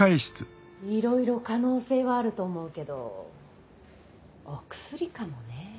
いろいろ可能性はあると思うけどお薬かもね。